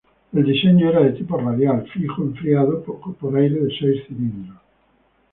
El diseño era de tipo radial fijo enfriado por aire de seis cilindros.